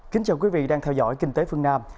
kính chào quý vị đang theo dõi kinh tế phương nam